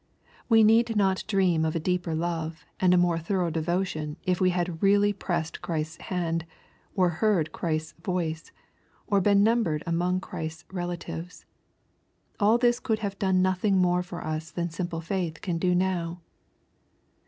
We need not dream of a deeper love and a more thorough devotion if we had really pressed Christ's hand, or heard Christ's voice, or been numbered among Christ's relatives. All this could have done nothing more for us than simple faith can do now.